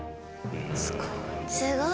すごい。